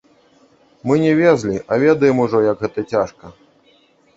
Мы не везлі, а ведаем ужо, як гэта цяжка.